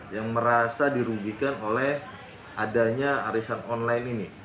yang merasa dirugikan oleh adanya arisan online ini